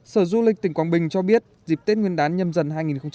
sở du lịch tỉnh quảng bình cho biết dịp tết nguyên đán nhâm dần hai nghìn hai mươi bốn